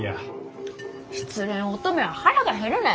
失恋乙女は腹が減るねん。